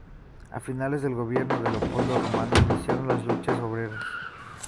A finales del gobierno de Leopoldo Romano, iniciaron las luchas obreras.